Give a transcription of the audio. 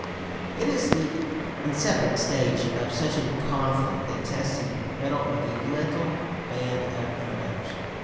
It is the incipient stage of such a conflict that tests the mettle of the little band of innovators.